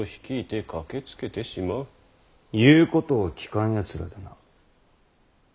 言うことを聞かんやつらでな。